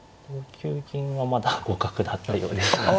５九銀はまだ互角だったようですがね。